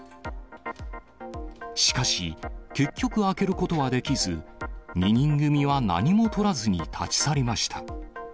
しかし、結局開けることはできず、２人組は何もとらずに立ち去りました。